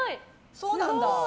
そうなんだ。